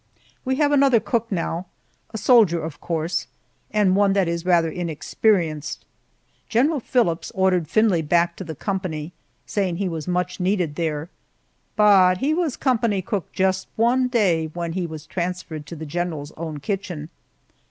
We have another cook now a soldier of course and one that is rather inexperienced. General Phillips ordered Findlay back to the company, saying he was much needed there, but he was company cook just one day when he was transferred to the general's own kitchen.